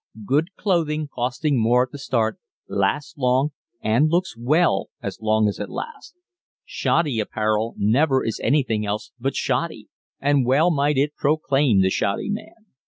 Good clothing, costing more at the start, lasts long and looks well as long as it lasts. Shoddy apparel never is anything else but shoddy, and well might it proclaim the shoddy man.